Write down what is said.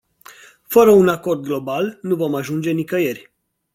Fără un acord global, nu vom ajunge nicăieri.